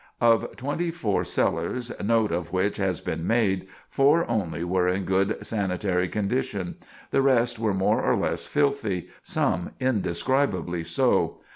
Of twenty four cellars, note of which has been made, four only were in good sanitary condition. The rest were more or less filthy, some indescribably so.